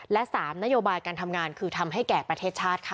และ๓นโยบายการทำงานคือทำให้แก่ประเทศชาติค่ะ